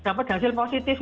dapat hasil positif